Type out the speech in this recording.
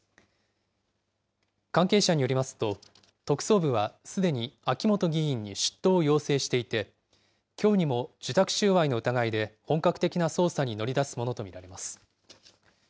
関係者によりますと、特捜部はすでに秋本議員に出頭を要請していて、きょうにも受託収賄の疑いで本格的な捜査に乗り出すものと見られます。